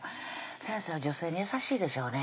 先生は女性に優しいでしょうね